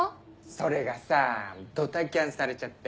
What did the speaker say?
それがさドタキャンされちゃって。